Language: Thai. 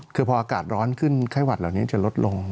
คือพออากาศร้อนขึ้นไข้หวัดเหล่านี้จะลดลง